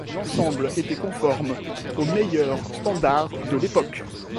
L'ensemble était conforme aux meilleurs standards de l'époque.